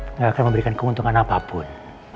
tidak akan memberikan keuntungan apapun